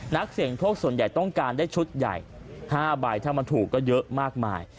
นักเสี่ยงโชคส่วนใหญ่ต้องการได้ชุดใหญ่๕ใบถ้ามันถูกก็เยอะมากมาย